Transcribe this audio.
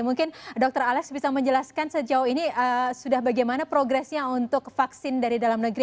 mungkin dokter alex bisa menjelaskan sejauh ini sudah bagaimana progresnya untuk vaksin dari dalam negeri